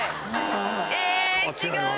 え違う？